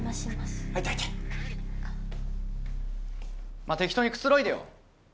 まあ適当にくつろいでよ。